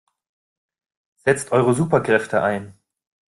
Setzt eure Superkräfte ein!